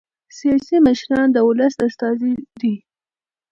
سیاسي مشران د ولس استازي دي